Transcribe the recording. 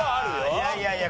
いやいやいや